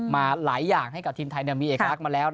มาหลายอย่างให้กับทีมไทยมีเอกลักษณ์มาแล้ว